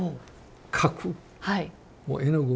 描く絵の具。